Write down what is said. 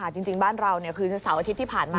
จริงบ้านเราคืนเสาร์อาทิตย์ที่ผ่านมา